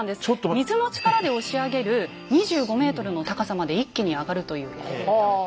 水の力で押し上げる２５ｍの高さまで一気に上がるというエレベーターで。